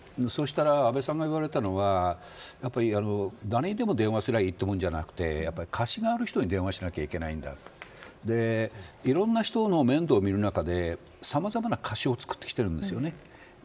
安倍さんが言われたのは誰にでも電話をしたらいいというものではなくて貸しがある人に電話をしなきゃいけないんだいろんな人の面倒を見る中でさまざまな貸しを作ってきています。